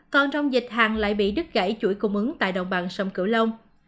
còn trong dịch hàng lại bị đứt gãy chuỗi cung ứng tại đồng bằng sông cửu long